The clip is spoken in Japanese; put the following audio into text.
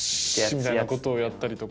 みたいな事をやったりとか。